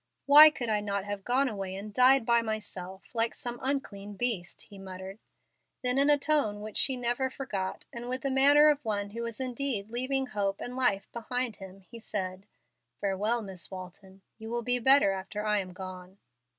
"Why could I not have gone away and died by myself, like some unclean beast?" he muttered. Then, in a tone which she never forgot, and with the manner of one who was indeed leaving hope and life behind him, he said, "Farewell, Miss Walton; you will be better after I am gone."